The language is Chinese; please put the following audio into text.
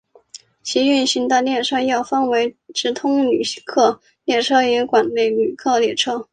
其运行的列车又分为直通旅客列车与管内旅客列车。